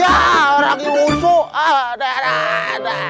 gak ada lagi orang yang berani